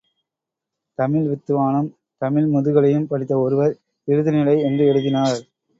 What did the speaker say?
தமிழ் வித்துவானும் தமிழ் முதுகலையும் படித்த ஒருவர் இறுதி னிலை என்று எழுதினார்.